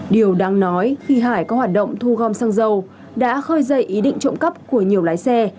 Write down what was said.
điều đáng nói khi hải có hoạt động thu gom xăng dầu đã khơi dậy ý định trộm cắp của nhiều lái xe